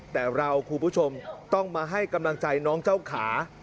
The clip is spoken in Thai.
แต่เราคุณผู้ชมต้องมาให้กำลังใจน้องเจ้าขา